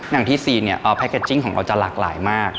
อย่างที่ซีนเนี่ยแพ็กเกจจิ้งของเราจะหลากหลายมาก